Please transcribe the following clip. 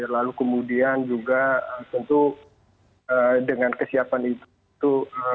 lalu kemudian juga tentu dengan kesiapan itu